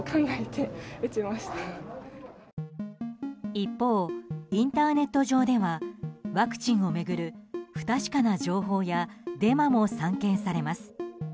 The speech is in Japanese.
一方、インターネット上ではワクチンを巡る不確かな情報やデマも散見されます。